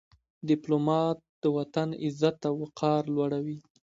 ډيپلومات د وطن عزت او وقار لوړوي.